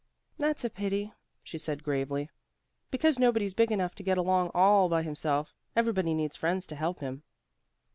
"That's a pity," she said gravely. "Because nobody's big enough to get along all by himself. Everybody needs friends to help him."